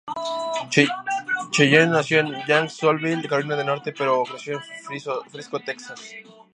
Cheyenne nació en Jacksonville, Carolina del Norte, pero creció en Frisco, Texas.